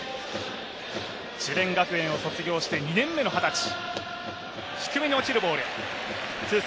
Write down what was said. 智弁学園を卒業して２年目の二十歳。